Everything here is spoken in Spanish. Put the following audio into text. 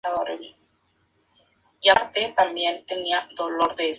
Fue elegido miembro de la Academia de Ciencias por sus observaciones y estudios astronómicos.